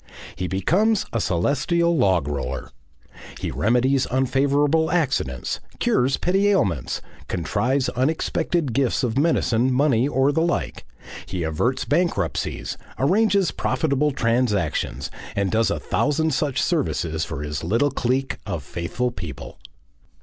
He becomes a celestial log roller. He remedies unfavourable accidents, cures petty ailments, contrives unexpected gifts of medicine, money, or the like, he averts bankruptcies, arranges profitable transactions, and does a thousand such services for his little clique of faithful people.